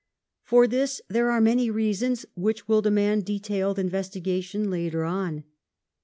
For this there were many reasons, which will demand detailed investigation later on.